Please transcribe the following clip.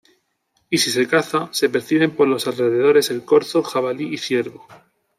Y si se caza, se perciben por los alrededores el corzo, jabalí y ciervo.